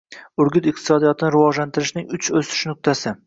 Urgut iqtisodiyotini rivojlantirishning uch o‘sish nuqtasi